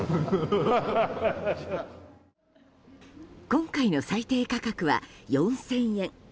今回の最低価格は４０００円。